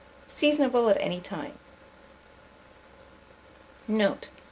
Seasonable at any time. Note.